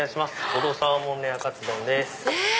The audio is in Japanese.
とろサーモンレアカツ丼です。